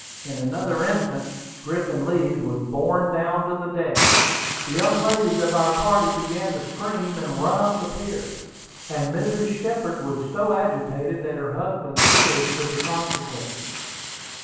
In another instant Griffin Leeds was borne down upon the deck. The young ladies of our party began to scream and run up the pier; and Mrs. Shepard was so agitated that her husband feared for the consequences.